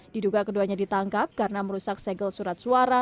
diduga keduanya ditangkap karena merusak segel surat suara